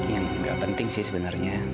ya gak penting sih sebenarnya